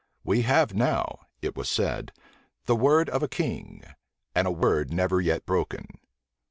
"We have now," it was said, "the word of a king, and a word never yet broken."